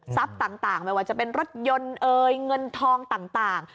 ทรัพย์ต่างไม่ว่าจะเป็นรถยนต์เงินทองต่าง